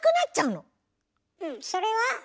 うんそれは？